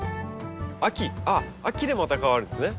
ああ秋でまた変わるんですね。